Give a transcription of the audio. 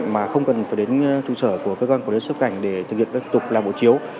mà không cần phải đến trung sở của công an quản lý xuất nhập cảnh để thực hiện các tục làm bộ chiếu